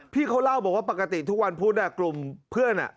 พี่เขาเล่าบอกว่าปกติทุกวันพุธกลุ่มเพื่อน